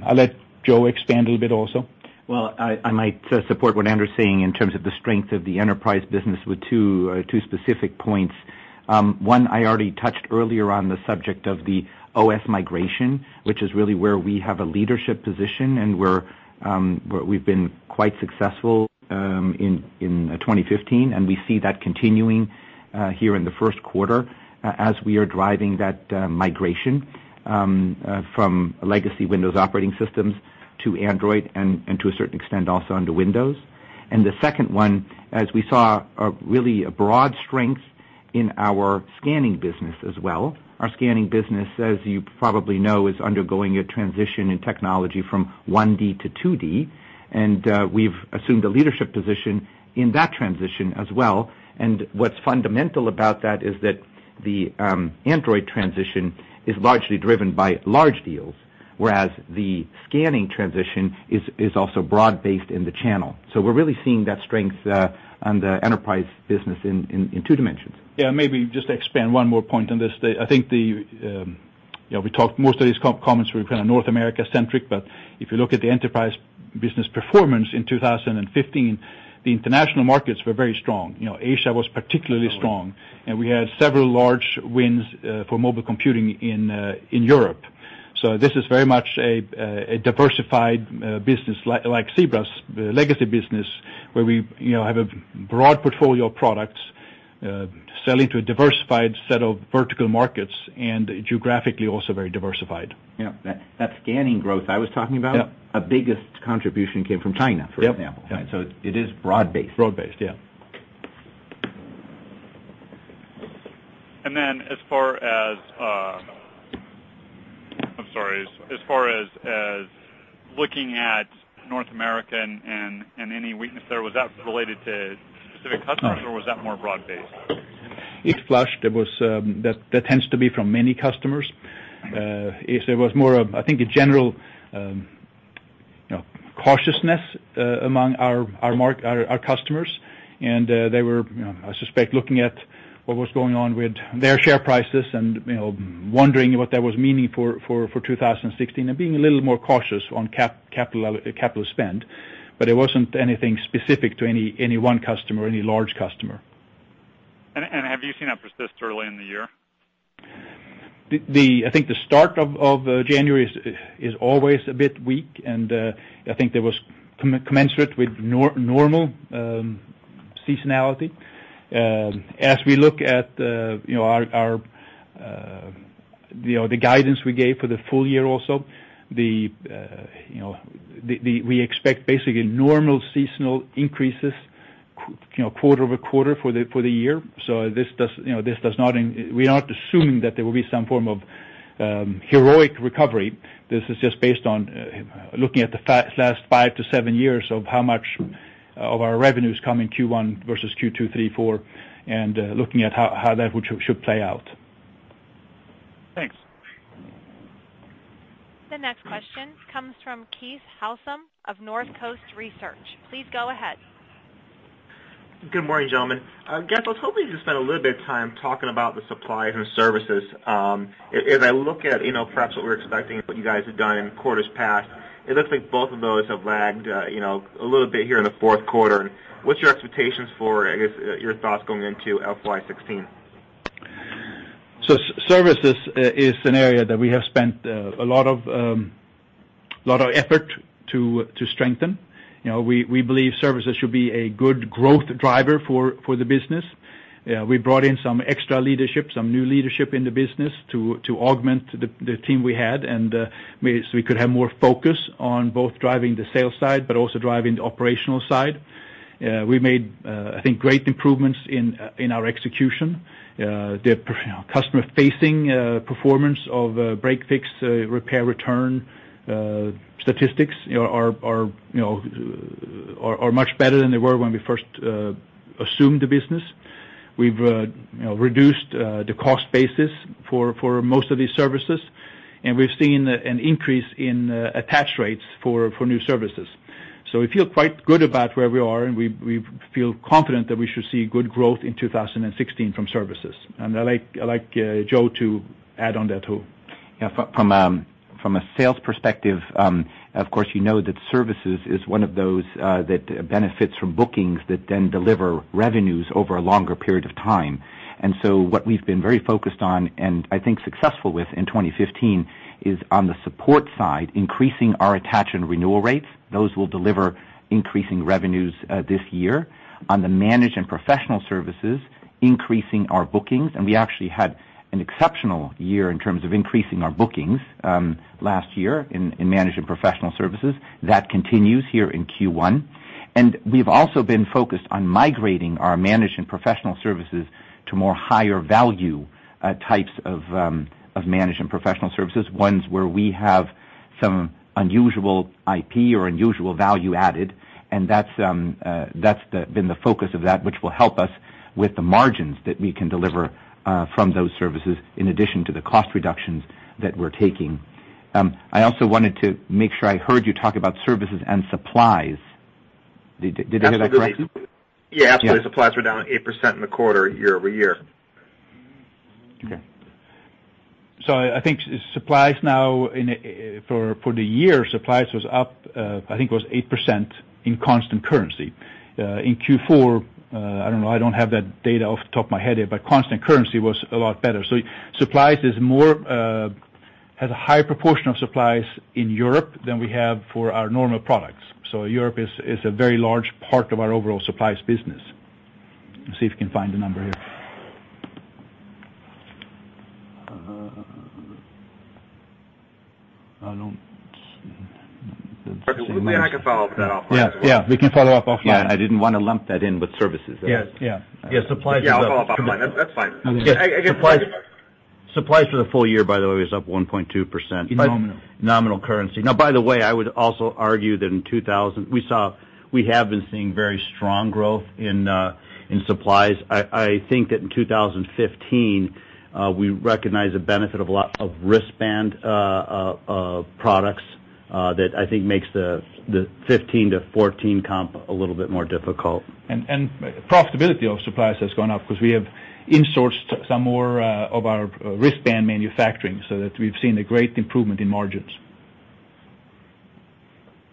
I'll let Joe expand a little bit also. I might support what Anders is saying in terms of the strength of the Enterprise business with two specific points. One, I already touched earlier on the subject of the OS migration, which is really where we have a leadership position, and we've been quite successful in 2015, we see that continuing here in the first quarter as we are driving that migration from legacy Windows operating systems to Android and to a certain extent, also onto Windows. The second one, as we saw really a broad strength in our scanning business as well. Our scanning business, as you probably know, is undergoing a transition in technology from 1D to 2D, and we've assumed a leadership position in that transition as well. What's fundamental about that is that the Android transition is largely driven by large deals, whereas the scanning transition is also broad-based in the channel. We're really seeing that strength on the Enterprise business in two dimensions. Yeah, maybe just to expand one more point on this. I think most of these comments were kind of North America centric, but if you look at the Enterprise business performance in 2015, the international markets were very strong. Asia was particularly strong. We had several large wins for mobile computing in Europe. This is very much a diversified business like Zebra's legacy business, where we have a broad portfolio of products selling to a diversified set of vertical markets and geographically also very diversified. Yeah. That scanning growth I was talking about- Yeah Our biggest contribution came from China, for example. Yep. It is broad based. Broad based, yeah. As far as looking at North America and any weakness there, was that related to specific customers, or was that more broad based? It flushed. That tends to be from many customers. It was more of, I think, a general cautiousness among our customers, and they were, I suspect, looking at what was going on with their share prices and wondering what that was meaning for 2016 and being a little more cautious on capital spend. It wasn't anything specific to any one customer, any large customer. Have you seen that persist early in the year? I think the start of January is always a bit weak, and I think that was commensurate with normal seasonality. As we look at the guidance we gave for the full year also, we expect basically normal seasonal increases quarter-over-quarter for the year. We're not assuming that there will be some form of heroic recovery. This is just based on looking at the last five to seven years of how much of our revenues coming Q1 versus Q2, Q3, Q4, and looking at how that should play out. Thanks. The next question comes from Keith Housum of Northcoast Research. Please go ahead. Good morning, gentlemen. I guess I was hoping to spend a little bit of time talking about the supplies and services. As I look at perhaps what we're expecting and what you guys have done in quarters past, it looks like both of those have lagged a little bit here in the fourth quarter. What's your expectations for, I guess, your thoughts going into FY 2016? Services is an area that we have spent a lot of effort to strengthen. We believe services should be a good growth driver for the business. We brought in some extra leadership, some new leadership in the business to augment the team we had. We could have more focus on both driving the sales side, but also driving the operational side. We made, I think, great improvements in our execution. The customer-facing performance of break-fix repair return statistics are much better than they were when we first assumed the business. We've reduced the cost basis for most of these services, and we've seen an increase in attach rates for new services. We feel quite good about where we are, and we feel confident that we should see good growth in 2016 from services. I'd like Joe to add on that, too. Yeah. From a sales perspective, of course, you know that services is one of those that benefits from bookings that then deliver revenues over a longer period of time. What we've been very focused on, and I think successful with in 2015, is on the support side, increasing our attach and renewal rates. Those will deliver increasing revenues this year. On the managed and professional services, increasing our bookings. We actually had an exceptional year in terms of increasing our bookings last year in managed and professional services. That continues here in Q1. We've also been focused on migrating our managed and professional services to more higher value types of managed and professional services, ones where we have some unusual IP or unusual value added. That's been the focus of that, which will help us with the margins that we can deliver from those services, in addition to the cost reductions that we're taking. I also wanted to make sure I heard you talk about services and supplies. Did I hear that correctly? Yeah. I asked because supplies were down 8% in the quarter, year-over-year. Okay. I think supplies now for the year, supplies was up, I think it was 8% in constant currency. In Q4, I don't know, I don't have that data off the top of my head here, but constant currency was a lot better. Supplies has a higher proportion of supplies in Europe than we have for our normal products. Europe is a very large part of our overall supplies business. Let me see if we can find the number here. I don't see. We can follow up with that offline as well. Yeah. We can follow up offline. Yeah. I didn't want to lump that in with services. Yeah. Supplies is up. Yeah. I'll follow up offline. That's fine. Supplies for the full year, by the way, was up 1.2%. In nominal. Nominal currency. Now, by the way, I would also argue that we have been seeing very strong growth in supplies. I think that in 2015, we recognized the benefit of a lot of wristband products that I think makes the '15 to '14 comp a little bit more difficult. Profitability of supplies has gone up because we have in-sourced some more of our wristband manufacturing, so that we've seen a great improvement in margins.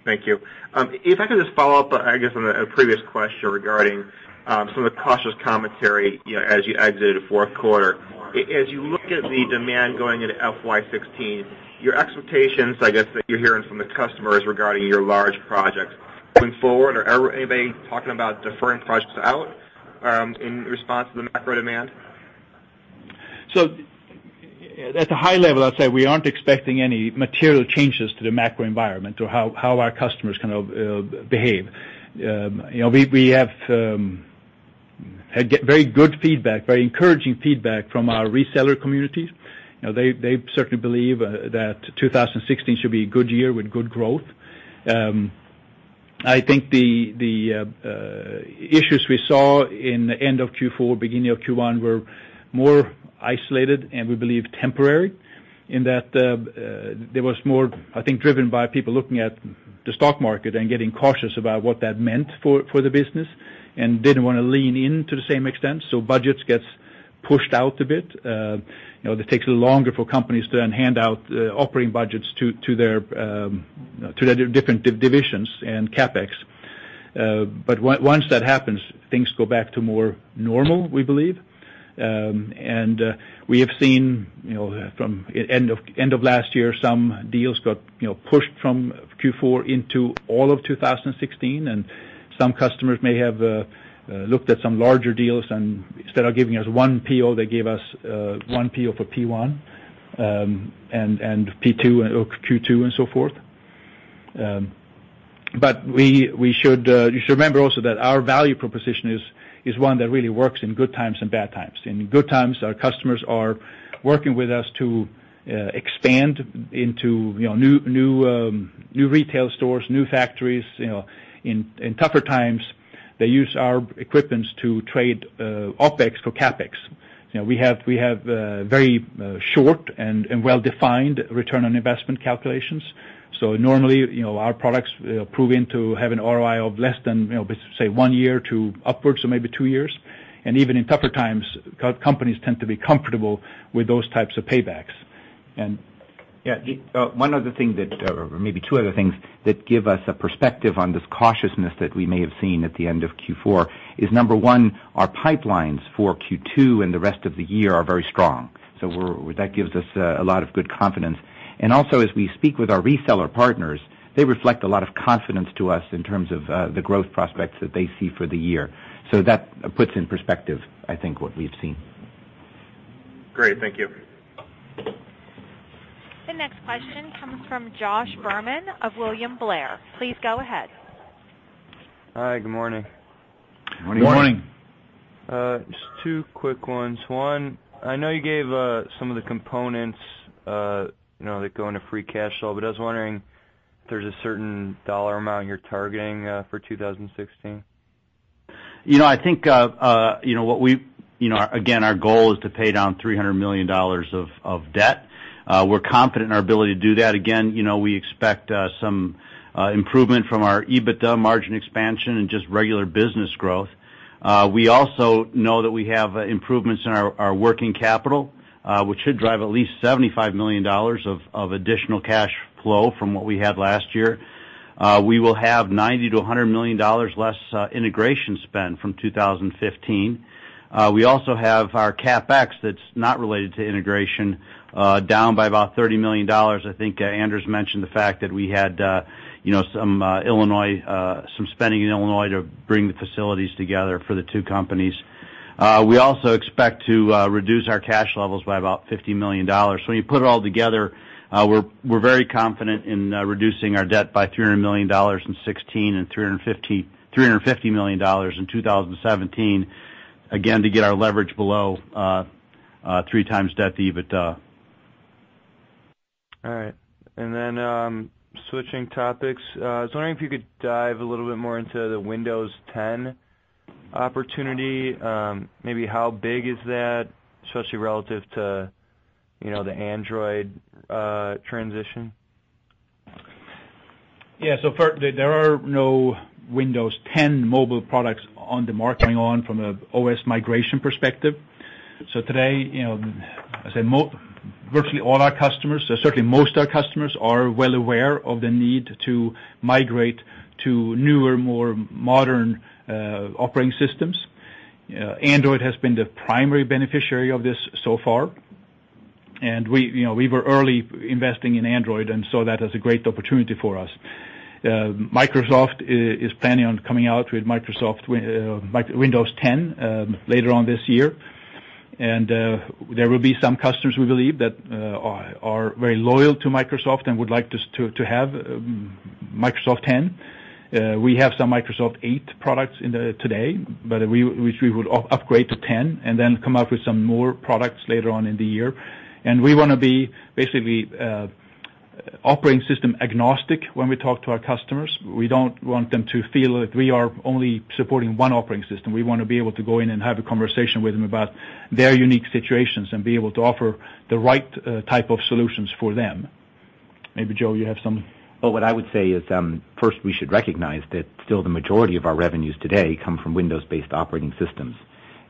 Thank you. If I could just follow up, I guess, on a previous question regarding some of the cautious commentary as you exited the fourth quarter. As you look at the demand going into FY 2016, your expectations, I guess, that you're hearing from the customers regarding your large projects going forward. Are anybody talking about deferring projects out in response to the macro demand? At a high level, I'd say we aren't expecting any material changes to the macro environment or how our customers behave. We have had very good feedback, very encouraging feedback from our reseller communities. They certainly believe that 2016 should be a good year with good growth. I think the issues we saw in the end of Q4, beginning of Q1, were more isolated and we believe temporary, in that there was more, I think, driven by people looking at the stock market and getting cautious about what that meant for the business and didn't want to lean in to the same extent. Budgets gets pushed out a bit. It takes a little longer for companies to then hand out operating budgets to their different divisions and CapEx. Once that happens, things go back to more normal, we believe. We have seen from end of last year, some deals got pushed from Q4 into all of 2016, and some customers may have looked at some larger deals, and instead of giving us one PO, they gave us one PO for P1 and P2 or Q2 and so forth. You should remember also that our value proposition is one that really works in good times and bad times. In good times, our customers are working with us to expand into new retail stores, new factories. In tougher times, they use our equipments to trade OpEx for CapEx. We have very short and well-defined return on investment calculations. Normally, our products prove to have an ROI of less than, say one year to upwards of maybe two years. Even in tougher times, companies tend to be comfortable with those types of paybacks. Yeah. One other thing that, or maybe two other things, that give us a perspective on this cautiousness that we may have seen at the end of Q4 is, number 1, our pipelines for Q2 and the rest of the year are very strong. That gives us a lot of good confidence. Also, as we speak with our reseller partners, they reflect a lot of confidence to us in terms of the growth prospects that they see for the year. That puts in perspective, I think, what we've seen. Great. Thank you. The next question comes from Josh Berman of William Blair. Please go ahead. Hi. Good morning. Morning. Morning. Just two quick ones. I know you gave some of the components that go into free cash flow, but I was wondering if there's a certain dollar amount you're targeting for 2016. I think, again, our goal is to pay down $300 million of debt. We're confident in our ability to do that. Again, we expect some improvement from our EBITDA margin expansion and just regular business growth. We also know that we have improvements in our working capital, which should drive at least $75 million of additional cash flow from what we had last year. We will have $90 million-$100 million less integration spend from 2015. We also have our CapEx that's not related to integration, down by about $30 million. I think Anders mentioned the fact that we had some spending in Illinois to bring the facilities together for the two companies. We also expect to reduce our cash levels by about $50 million. When you put it all together, we're very confident in reducing our debt by $300 million in 2016 and $350 million in 2017, again, to get our leverage below three times debt to EBITDA. All right. Switching topics. I was wondering if you could dive a little bit more into the Windows 10 opportunity. Maybe how big is that, especially relative to the Android transition? Yeah. There are no Windows 10 Mobile products on the market going on from an OS migration perspective. Today, virtually all our customers, or certainly most our customers, are well aware of the need to migrate to newer, more modern operating systems. Android has been the primary beneficiary of this so far. We were early investing in Android and saw that as a great opportunity for us. Microsoft is planning on coming out with Windows 10 later on this year. There will be some customers, we believe, that are very loyal to Microsoft and would like to have Windows 10. We have some Windows 8 products today, which we would upgrade to 10, then come out with some more products later on in the year. We want to be basically operating system agnostic when we talk to our customers. We don't want them to feel that we are only supporting one operating system. We want to be able to go in and have a conversation with them about their unique situations and be able to offer the right type of solutions for them. Maybe Joe, you have some- Well, what I would say is, first, we should recognize that still the majority of our revenues today come from Windows-based operating systems.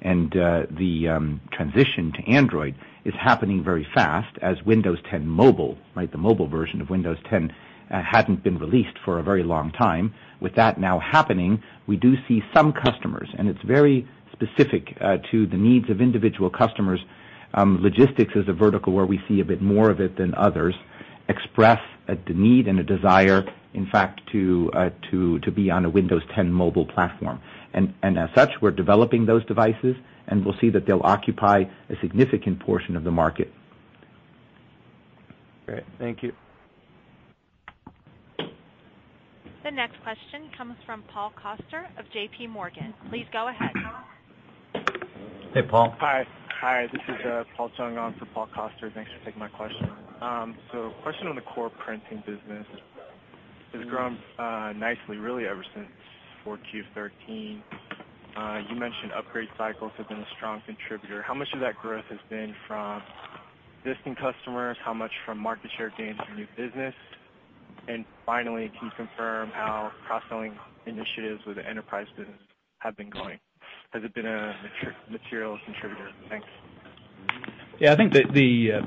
The transition to Android is happening very fast as Windows 10 Mobile, right, the mobile version of Windows 10, hadn't been released for a very long time. With that now happening, we do see some customers, and it's very specific to the needs of individual customers. Logistics is a vertical where we see a bit more of it than others express the need and a desire, in fact, to be on a Windows 10 Mobile platform. As such, we're developing those devices, and we'll see that they'll occupy a significant portion of the market. Great. Thank you. The next question comes from Paul Coster of JPMorgan. Please go ahead. Hey, Paul. Hi. This is Paul Chung on for Paul Coster. Thanks for taking my question. Question on the core printing business. It's grown nicely, really, ever since 4Q 2013. You mentioned upgrade cycles have been a strong contributor. How much of that growth has been from existing customers? How much from market share gains from new business? And finally, can you confirm how cross-selling initiatives with the Enterprise business have been going? Has it been a material contributor? Thanks. Yeah. I think the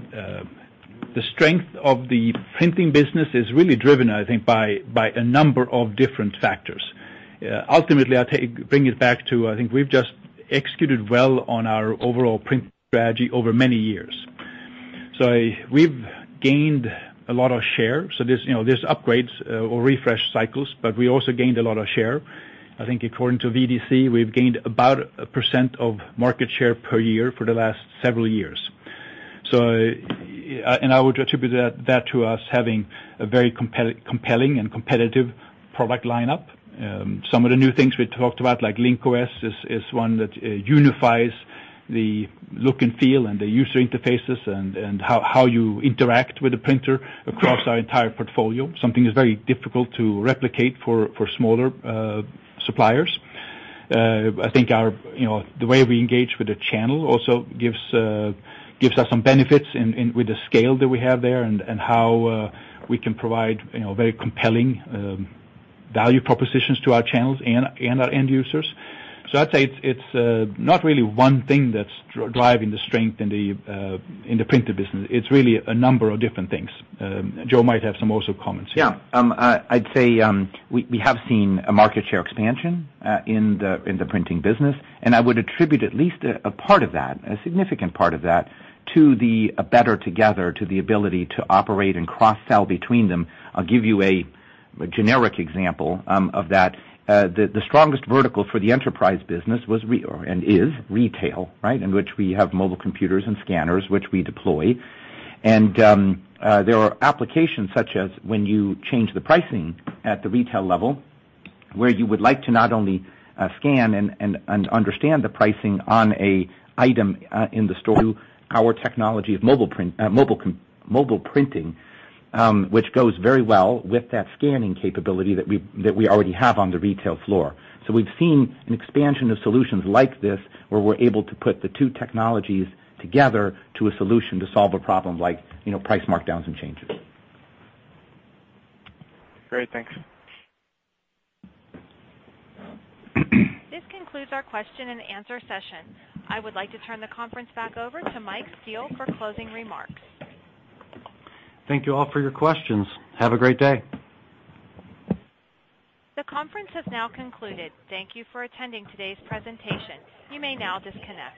strength of the printing business is really driven by a number of different factors. Ultimately, I bring it back to, I think we've just executed well on our overall print strategy over many years. We've gained a lot of share. There's upgrades or refresh cycles, but we also gained a lot of share. I think according to VDC, we've gained about 1 percent of market share per year for the last several years. I would attribute that to us having a very compelling and competitive product lineup. Some of the new things we talked about, like Link-OS, is one that unifies the look and feel and the user interfaces and how you interact with the printer across our entire portfolio. Something that's very difficult to replicate for smaller suppliers. I think the way we engage with the channel also gives us some benefits with the scale that we have there and how we can provide very compelling value propositions to our channels and our end users. I'd say it's not really one thing that's driving the strength in the printer business. It's really a number of different things. Joe might have some also comments here. Yeah. I'd say we have seen a market share expansion in the printing business, I would attribute at least a part of that, a significant part of that, to the better together, to the ability to operate and cross-sell between them. I'll give you a generic example of that. The strongest vertical for the Enterprise business was, and is, retail, right? In which we have mobile computers and scanners, which we deploy. There are applications such as when you change the pricing at the retail level, where you would like to not only scan and understand the pricing on a item in the store through our technology of mobile printing, which goes very well with that scanning capability that we already have on the retail floor. We've seen an expansion of solutions like this where we're able to put the two technologies together to a solution to solve a problem like price markdowns and changes. Great. Thanks. This concludes our question and answer session. I would like to turn the conference back over to Michael Steele for closing remarks. Thank you all for your questions. Have a great day. The conference has now concluded. Thank you for attending today's presentation. You may now disconnect.